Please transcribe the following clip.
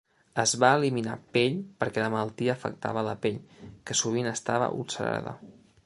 Es va eliminar pell perquè la malaltia afectava la pell, que sovint estava ulcerada.